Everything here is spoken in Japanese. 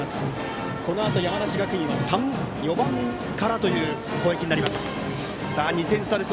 このあと、山梨学院は３、４番からという攻撃です。